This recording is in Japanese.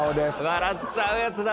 笑っちゃうやつだ！